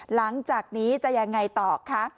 หลังจากนี้จะยังไงต่อคะ